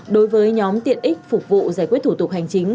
đối với nhóm tiện ích phục vụ giải quyết thủ tục hành chính